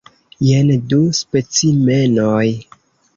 Jen du specimenoj.